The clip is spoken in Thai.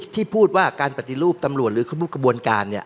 ที่พูดว่าการปฏิรูปตำรวจหรือการปฏิรูปกระบวนการเนี่ย